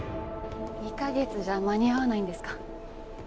２カ月じゃ間に合わないんですか？